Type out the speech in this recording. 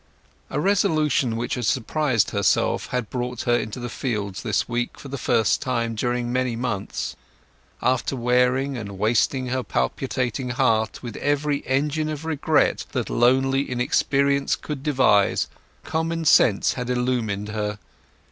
A resolution which had surprised herself had brought her into the fields this week for the first time during many months. After wearing and wasting her palpitating heart with every engine of regret that lonely inexperience could devise, common sense had illuminated her.